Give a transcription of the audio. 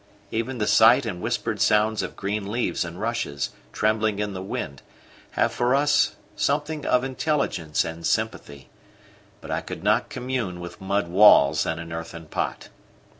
Even the sight and whispered sounds of green leaves and rushes trembling in the wind have for us something of intelligence and sympathy; but I could not commune with mud walls and an earthen pot.